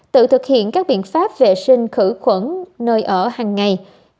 bảy tự thực hiện các biện pháp vệ sinh khử khuẩn nơi ở hàng ngày